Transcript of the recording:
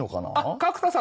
角田さん